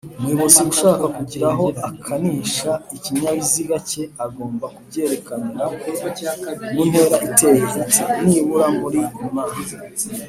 umuyobozi ushaka kugira aho aganisha ikinyabiziga cye agomba kubyerekanira muntera iteye ite?-nibura muri m